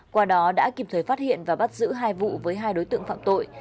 qua đó đã kịp thời phát hiện và bắt giữ hai vụ với hai đối tượng phạm tội